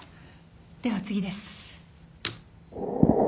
では次です。